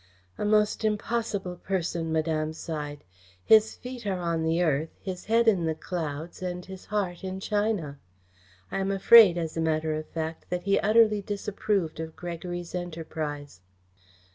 "A most impossible person," Madame sighed. "His feet are on the earth, his head in the clouds and his heart in China. I am afraid, as a matter of fact, that he utterly disapproved of Gregory's enterprise."